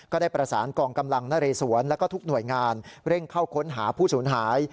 ก็ได้ประสานกองกำลังนเรสวนแล้วก็ทุกหน่วยงานเร่งเข้าค้นหาผู้สูญหาย